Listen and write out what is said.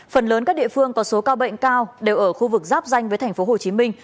phần lớn các địa phương có số ca bệnh cao đều ở khu vực giáp danh với thành phố hồ chí minh